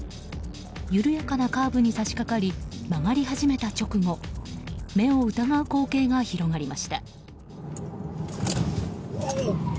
緩やかなカーブに差し掛かり曲がり始めた直後目を疑う光景が広がりました。